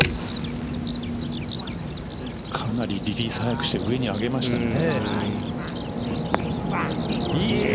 かなりリリース早くして上に上げましたね。